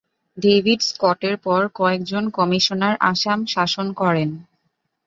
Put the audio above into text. David স্কটের পর কয়েকজন কমিশনার আসাম শাসন করেন।।